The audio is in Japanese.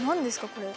これ。